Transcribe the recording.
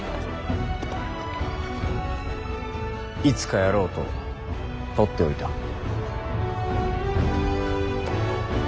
いつかやろうと取っておいた。